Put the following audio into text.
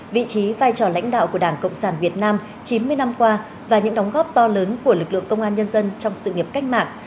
vị trí vai trò lãnh đạo của đảng cộng sản việt nam chín mươi năm qua và những đóng góp to lớn của lực lượng công an nhân dân trong sự nghiệp cách mạng